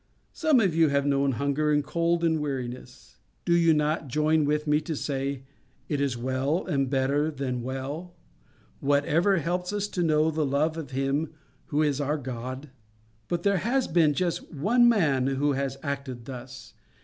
Some of you have known hunger and cold and weariness. Do you not join with me to say: It is well, and better than well—whatever helps us to know the love of Him who is our God? "But there HAS BEEN just one man who has acted thus.